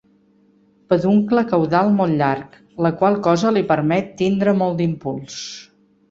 Peduncle caudal molt llarg, la qual cosa li permet tindre molt d'impuls.